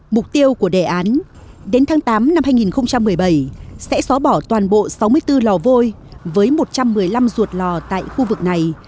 mục tiêu của đề án đến tháng tám năm hai nghìn một mươi bảy sẽ xóa bỏ toàn bộ sáu mươi bốn lò vôi với một trăm một mươi năm ruột lò tại khu vực này